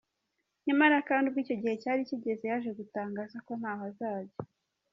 Nyamara kandi ubwo icyo gihe cyari cyigeze, yaje gutagaza ko ntaho azajya.